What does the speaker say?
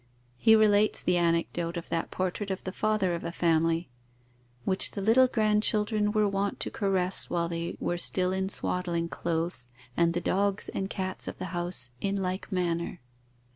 He relates the anecdote of that portrait of the father of a family, "which the little grandchildren were wont to caress while they were still in swaddling clothes, and the dogs and cats of the house in like manner."